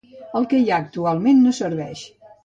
El que hi ha actualment no serveix.